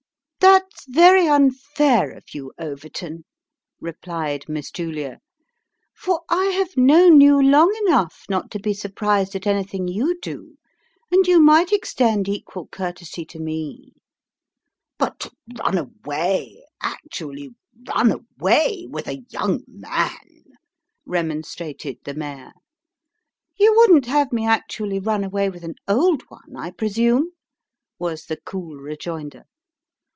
" That's very unfair of you, Overton," replied Miss Julia, " for I have known you, long enough, not to be surprised at anything you do, and you might extend equal courtesy to me." " But to run away actually run away with a young man !" re monstrated the mayor. "You wouldn't have me actually run away with an old one, I presume ?" was the cool rejoinder.